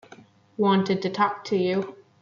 Wanted to talk to you.